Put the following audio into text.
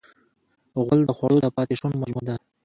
غول د خوړو د پاتې شونو مجموعه ده.